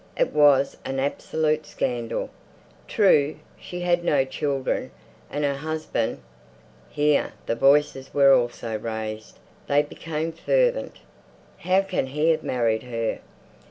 It was an absolute scandal! True, she had no children, and her husband.... Here the voices were always raised; they became fervent. How can he have married her?